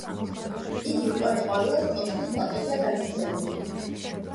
იგი მწვანეყვავილას კონცხის პლატოზეა განთავსებული.